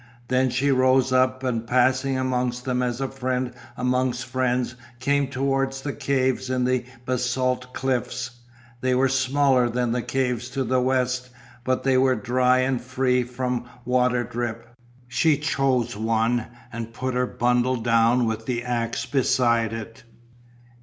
Then she rose up and passing amongst them as a friend amongst friends came towards the caves in the basalt cliffs. They were smaller than the caves to the west but they were dry and free from water drip. She chose one and put her bundle down with the axe beside it.